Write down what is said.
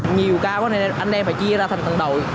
nhiều ca quá nên anh em phải chia ra thành tầng đội